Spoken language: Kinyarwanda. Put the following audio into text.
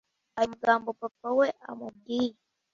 ayo magambo papa we amubwiye